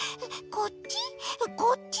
こっち？